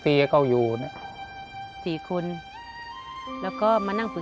และกับผู้จัดการที่เขาเป็นดูเรียนหนังสือ